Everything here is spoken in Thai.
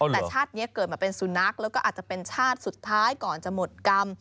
แต่ชาตินี้เกิดมาเป็นสุนัขแล้วก็อาจจะเป็นชาติสุดท้ายก่อนจะหมดกรรม